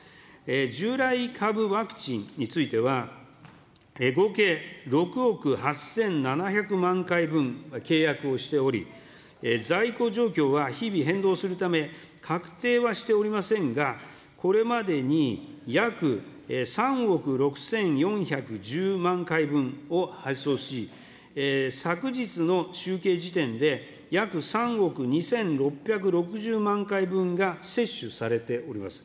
従来株ワクチンについては、合計６億８７００万回分契約をしており、在庫状況は日々変動するため、確定はしておりませんが、これまでに約３億６４１０万回分を発送し、昨日の集計時点で、約３億２６６０万回分が接種されております。